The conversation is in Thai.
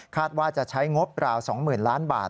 คาดว่าจะใช้งบกล่าว๒๐ล้านบาท